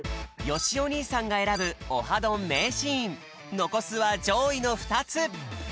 よしお兄さんが選ぶ「オハどん！」名シーンのこすはじょういのふたつ！